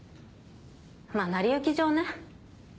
まぁ成り行き上ね。